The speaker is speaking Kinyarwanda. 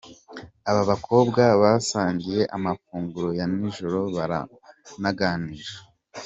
Aba bakobwa basangiye amafunguro ya nijoro baranaganira.